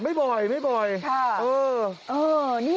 อำเภอไซน้อยจังหวัดนนทบุรี